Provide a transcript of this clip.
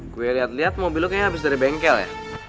gue liat liat mobil lo kayaknya habis dari bengkel ya